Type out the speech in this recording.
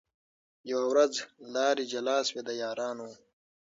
یوه ورځ لاري جلا سوې د یارانو